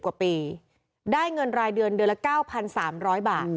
กว่าปีได้เงินรายเดือนเดือนละ๙๓๐๐บาท